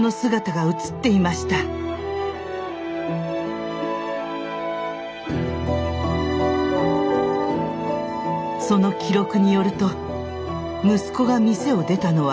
その記録によると息子が店を出たのは朝７時５５分。